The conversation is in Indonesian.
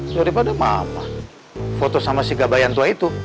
daripada mama foto sama si gabayantua itu